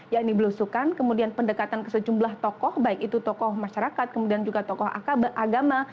yakni belusukan kemudian pendekatan ke sejumlah tokoh baik itu tokoh masyarakat kemudian juga tokoh agama